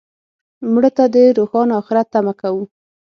مړه ته د روښانه آخرت تمه کوو